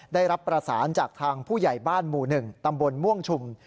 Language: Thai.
ได้รับประสานจากทางผู้ใหญ่บ้านหมู่๑ตำบลม่วงชุม